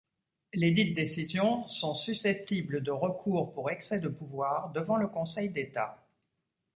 Lesdites décisions sont susceptibles de recours pour excès de pouvoir devant le Conseil d’État.